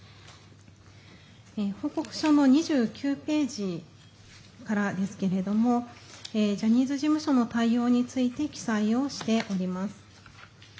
報告書の２９ページからですけどもジャニーズ事務所の対応について記載をしております。